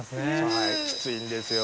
はいきついんですよ。